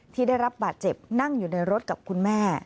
ที่ได้รับบาดเจ็บนั่งอยู่ในรถกับคุณแม่